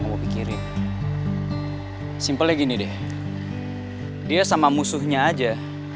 aku pikirin simpelnya gini deh dia sama musuhnya aja